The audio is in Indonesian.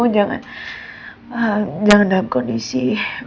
jangan dalam kondisi